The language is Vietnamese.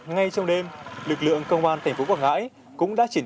ngay trong đêm lực lượng công an tp quảng ngãi